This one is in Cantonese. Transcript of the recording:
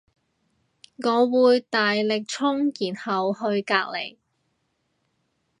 我會大力衝然後去隔籬